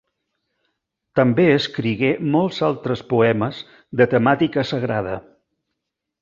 També escrigué molts altres poemes de temàtica sagrada.